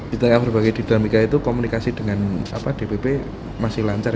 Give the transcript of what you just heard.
kita yang berbagi di darmika itu komunikasi dengan dpp masih lancar ya